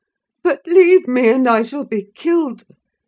But leave me, and I shall be killed!